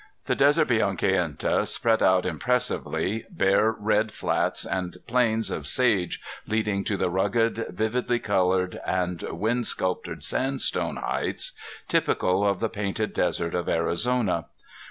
The desert beyond Kayenta spread out impressively, bare red flats and plains of sage leading to the rugged vividly colored and wind sculptured sandstone heights typical of the Painted Desert of Arizona.